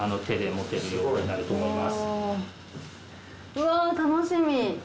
うわぁ楽しみ。